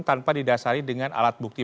tanpa didasari dengan alat bukti